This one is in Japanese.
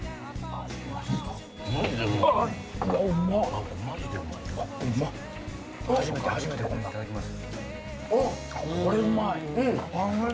あっマジうまい！